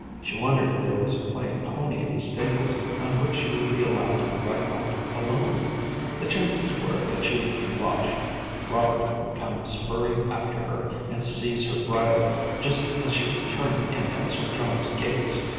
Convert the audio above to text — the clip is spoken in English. She wondered if there was a quiet pony in the stables on which she would be allowed to ride out alone. The chances were that she would be watched. Robert would come spurring after her and seize her bridle just as she was turning in at Sir John's gates.